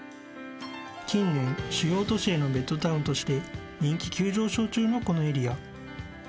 ［近年主要都市へのベッドタウンとして人気急上昇中のこのエリア］